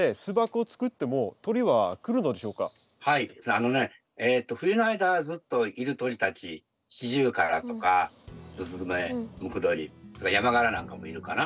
あのね冬の間ずっといる鳥たちシジュウカラとかスズメムクドリそれにヤマガラなんかもいるかな。